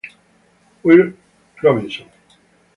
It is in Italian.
Wil Robinson